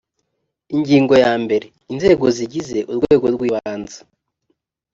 ingingo ya mbere inzego zigize urwego rwibanze